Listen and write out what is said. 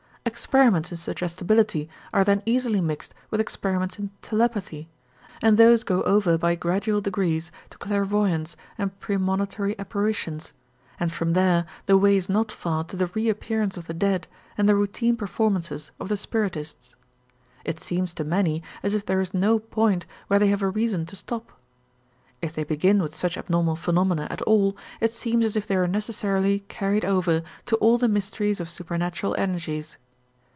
Experiments in suggestibility are then easily mixed with experiments in telepathy, and those go over by gradual degrees to clairvoyance and premonitory apparitions, and from there the way is not far to the reappearance of the dead and the routine performances of the spiritists. It seems to many as if there is no point where they have a reason to stop. If they begin with such abnormal phenomena at all, it seems as if they are necessarily carried over to all the mysteries of supernatural energies.